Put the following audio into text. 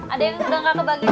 ada yang udah gak kebagian